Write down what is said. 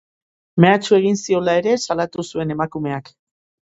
Mehatxu egin ziola ere salatu zuen emakumeak.